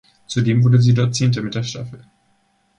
Zudem wurde sie dort Zehnte mit der Staffel.